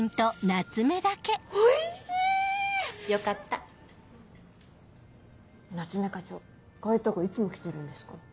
夏目課長こういうとこいつも来てるんですか？